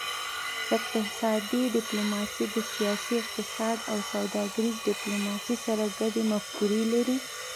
اقتصادي ډیپلوماسي د سیاسي اقتصاد او سوداګریزې ډیپلوماسي سره ګډې مفکورې لري